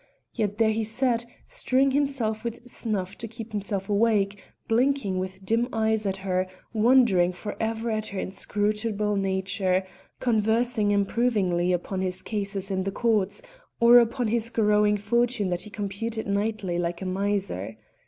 Yet there he sat, strewing himself with snuff to keep himself awake, blinking with dim eyes at her, wondering for ever at her inscrutable nature, conversing improvingly upon his cases in the courts, or upon his growing fortune that he computed nightly like a miser.